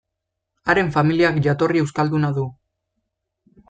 Haren familiak jatorri euskalduna du.